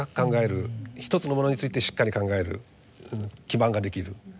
一つのものについてしっかり考える基盤ができる。